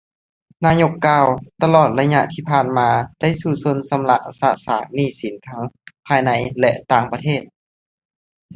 ນາຍົກກ່າວ ຕະຫຼອດໄລຍະທີ່ຜ່ານມາ ໄດ້ສູ້ຊົນຊຳລະສະສາງໜີ້ສິນທັງພາຍໃນ ແລະ ຕ່າງປະເທດ